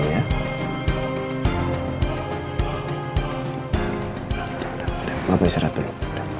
maaf ya saya ratu dulu